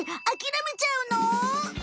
あきらめちゃうの？